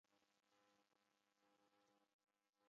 د دې فورمول بڼه توکي پیسې او بیا توکي ده